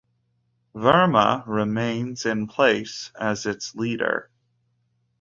Verma remains in place as its leader.